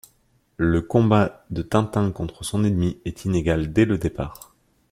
Le combat de Tintin contre son ennemi est inégal dès le départ.